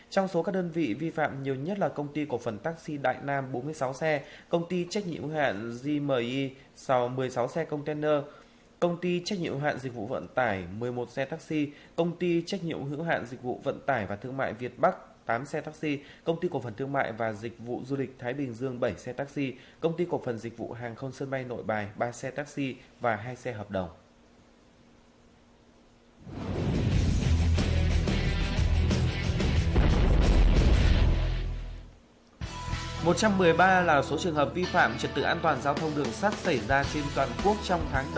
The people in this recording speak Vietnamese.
trong số các đơn vị vi phạm báo cáo sở giao thông vận tải hà nội bằng văn bản theo quy định